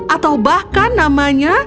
atau bahkan namanya